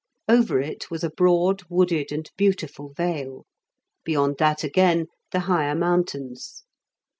Over it was a broad, wooded, and beautiful vale; beyond that again the higher mountains.